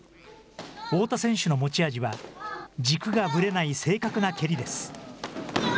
太田選手の持ち味は、軸がぶれない正確な蹴りです。